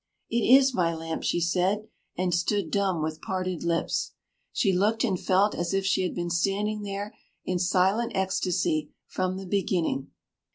"It is my lamp!" she said, and stood dumb with parted lips. She looked and felt as if she had been standing there in silent ecstasy from the beginning.